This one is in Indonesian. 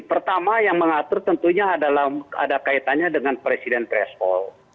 pertama yang mengatur tentunya ada kaitannya dengan presiden tresol